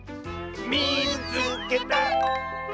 「みいつけた！」。